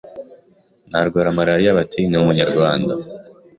narwara malariya bati ni Umunyarwanda,